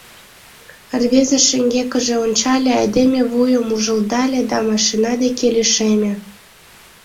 Рвезе шеҥгекыже ончале, айдеме вуйым ужылдале да машина деке лишеме.